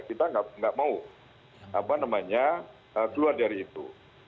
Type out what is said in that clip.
kita tidak mau keluar dari itu